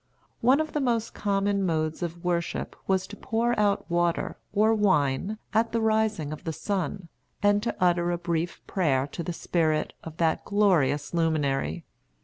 One of the most common modes of worship was to pour out water, or wine, at the rising of the sun, and to utter a brief prayer to the Spirit of that glorious luminary.